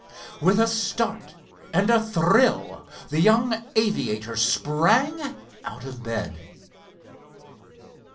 With a start and a thrill the young aviator sprang out of bed.